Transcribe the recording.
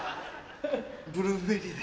ブルーベリーで。